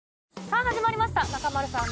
さぁ始まりました中丸さん